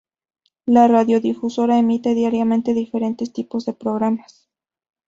La radiodifusora emite diariamente diferentes tipos de programas.